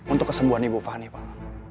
untuk kesembuhan ibu fani pak